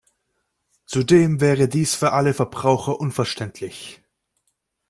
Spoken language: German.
Zudem wäre dies für alle Verbraucher unverständlich.